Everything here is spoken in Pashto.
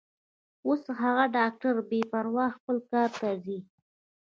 اوس هغه ډاکټره بې پروا خپل کار ته ځي.